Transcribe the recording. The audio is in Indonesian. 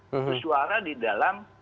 satu suara di dalam